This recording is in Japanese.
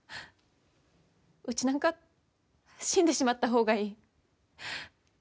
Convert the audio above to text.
うちなんか死んでしまった方がいい。